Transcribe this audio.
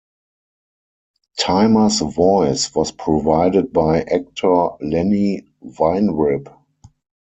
Timer's voice was provided by actor Lennie Weinrib.